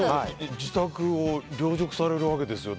自宅を凌辱されるわけですよ。